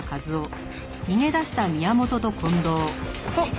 あっ！